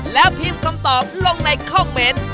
แล้วพิมพ์คำตอบลงในคอมเมนต์